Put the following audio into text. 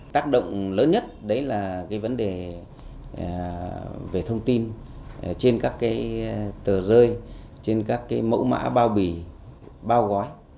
tác động lớn nhất đấy là cái vấn đề về thông tin trên các cái tờ rơi trên các cái mẫu mã bao bì bao gói